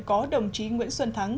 có đồng chí nguyễn xuân thắng